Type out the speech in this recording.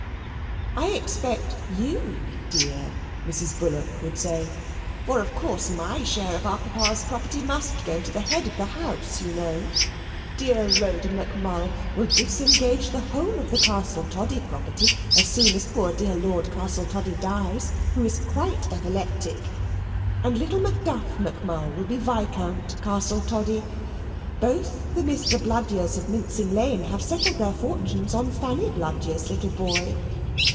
"I expect YOU, dear," Mrs. Bullock would say, "for of course my share of our Papa's property must go to the head of the house, you know. Dear Rhoda McMull will disengage the whole of the Castletoddy property as soon as poor dear Lord Castletoddy dies, who is quite epileptic; and little Macduff McMull will be Viscount Castletoddy. Both the Mr. Bludyers of Mincing Lane have settled their fortunes on Fanny Bludyer's little boy.